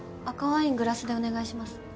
赤ワイングラスでお願いします。